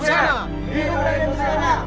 hidup raden pusena